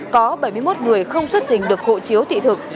có bảy mươi một người không xuất trình được hộ chiếu thị thực